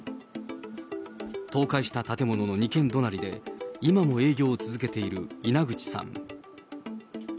倒壊した建物の２軒隣で今も営業を続けている稲口さん。